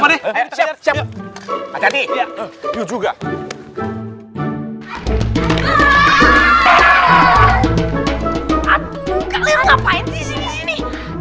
kalian ngapain disini sini